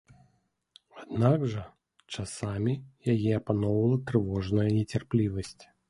Аднак жа часамі яе апаноўвала трывожная нецярплівасць.